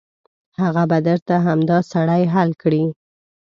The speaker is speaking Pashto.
هغه به درته همدا سړی حل کړي.